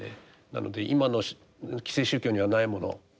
なので今の既成宗教にはないもの